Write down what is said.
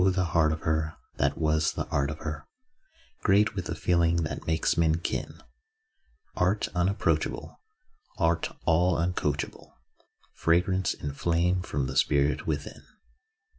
the heart of her, That was the art of her. Great with the feeling that makes men kin. Art unapproachable, Art all uncoachable, Fragrance and flame from the spirit within.